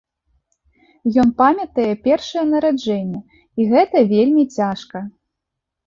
Ён памятае першае нараджэнне, і гэта вельмі цяжка.